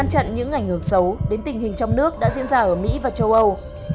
chặn những ảnh hưởng xấu đến tình hình trong nước đã diễn ra ở mỹ và châu âu